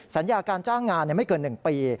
สัญญาการจ้างงานไม่เกิน๑ปี